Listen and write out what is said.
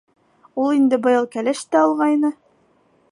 Ул инде быйыл кәләш тә алғайны.